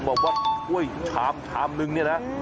เอามาเลยน้ำซุปมาวัดโอ้ยชามนึงเนี่ยนะ